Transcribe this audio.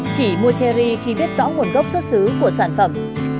chỉ mua cherry khi biết rõ nguồn gốc xuất xứ của sản phẩm